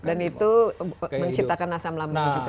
dan itu menciptakan asam lambung juga